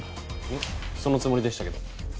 えっそのつもりでしたけど。